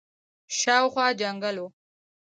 شاوخوا جنګل وو.